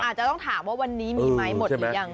อาจจะต้องถามว่าวันนี้มีไหมหมดหรือยัง